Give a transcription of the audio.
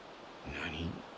何？